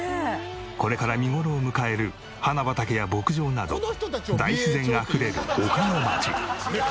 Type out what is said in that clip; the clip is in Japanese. これから見頃を迎える花畑や牧場など大自然あふれる丘のまち。